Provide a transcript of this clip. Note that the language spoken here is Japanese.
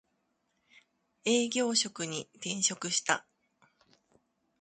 営業職に転職した